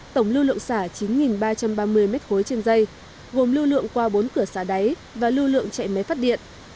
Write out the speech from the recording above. tổng lưu lượng xả chín ba trăm ba mươi m ba trên dây gồm lưu lượng qua bốn cửa xả đáy và lưu lượng chạy máy phát điện